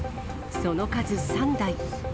その数３台。